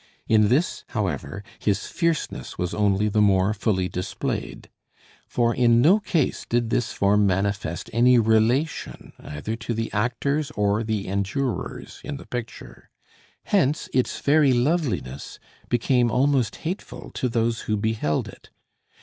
In this, however, his fierceness was only more fully displayed. For in no case did this form manifest any relation either to the actors or the endurers in the picture. Hence its very loveliness became almost hateful to those who beheld it.